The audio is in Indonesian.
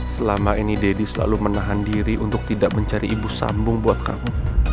selama ini deddy selalu menahan diri untuk tidak mencari ibu sambung buat kamu